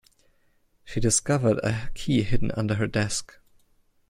She discovered a key hidden under her desk.